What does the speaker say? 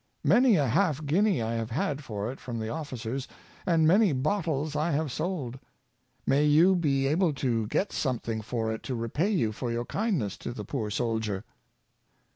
Many a half guinea I have HahiUial Politeness. 25 had for it from the officers, and many bottles I have sold. May you be able to get something for it to repay you for your kindness to the poor soldier!